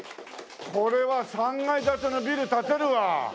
これは３階建てのビル建てるわ。